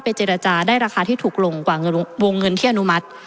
เจรจาได้ราคาที่ถูกลงกว่าวงเงินที่อนุมัติ